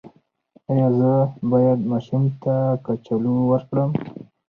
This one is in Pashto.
ایا زه باید ماشوم ته کچالو ورکړم؟